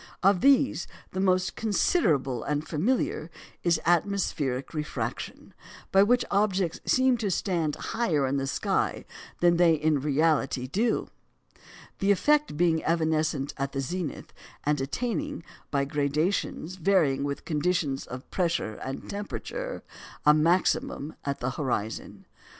Of these, the most considerable and familiar is atmospheric refraction, by which objects seem to stand higher in the sky than they in reality do, the effect being evanescent at the zenith, and attaining, by gradations varying with conditions of pressure and temperature, a maximum at the horizon.